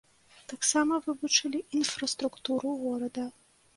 Таксама вывучылі інфраструктуру горада.